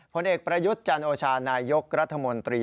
ผลเอกประยุทธ์จันโอชานายกรัฐมนตรี